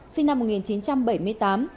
sinh năm một nghìn chín trăm bảy mươi tám